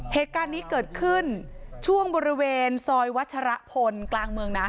เหตุการณ์นี้เกิดขึ้นช่วงบริเวณซอยวัชรพลกลางเมืองนะ